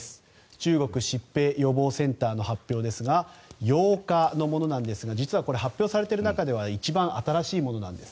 中国疾病予防センターの発表ですが、８日のものでは実は発表されている中では一番新しいものなんです。